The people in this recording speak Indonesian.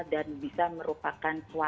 dan bisa merupakan suatu kekuatan